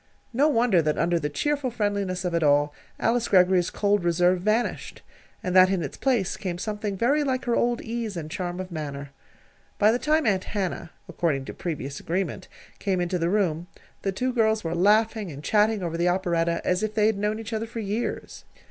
No wonder that under the cheery friendliness of it all, Alice Greggory's cold reserve vanished, and that in its place came something very like her old ease and charm of manner. By the time Aunt Hannah according to previous agreement came into the room, the two girls were laughing and chatting over the operetta as if they had known each other for years.